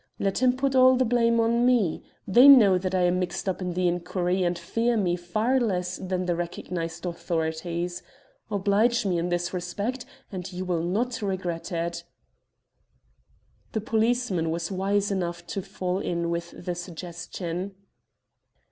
Let him put all the blame on me. They know that I am mixed up in the inquiry, and fear me far less than the recognized authorities. Oblige me in this respect and you will not regret it." The policeman was wise enough to fall in with the suggestion.